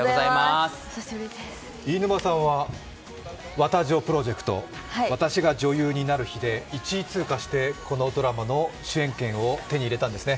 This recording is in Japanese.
飯沼さんは『わた女』プロジェクト『私が女優になる日』で１位通過してこのドラマの主演権を手に入れたんですよね？